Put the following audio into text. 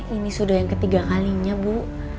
ini sudah yang ketiga kalinya bu